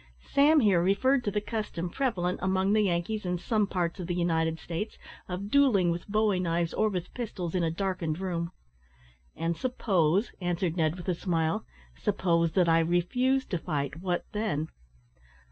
Sam here referred to the custom prevalent among the Yankees in some parts of the United States of duelling with bowie knives or with pistols in a darkened room. "And suppose," answered Ned, with a smile "suppose that I refused to fight, what then?"